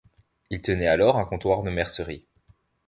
Il tenait alors un comptoir de mercerie.